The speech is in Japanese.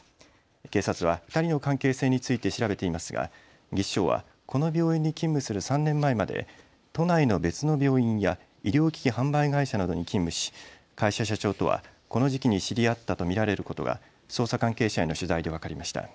警察は２人の関係性について調べていますが技士長はこの病院に勤務する３年前まで都内の別の病院や医療機器販売会社などに勤務し会社社長とはこの時期に知り合ったと見られることが捜査関係者への取材で分かりました。